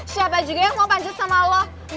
siapa juga yang mau panjat sama lo